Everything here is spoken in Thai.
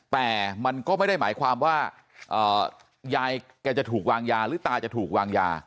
แต่มันก็ไม่ได้หมายความว่ายายแกจะถูกวางยาหรือตาจะถูกวางยา